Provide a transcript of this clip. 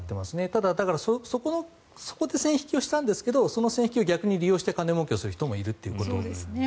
ただそこで線引きをしたんですけどその線引きを逆に利用して金もうけをする人もいるということですね。